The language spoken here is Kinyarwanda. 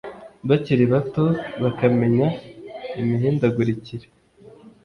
bakiri bato, bakamenya imihindagurikire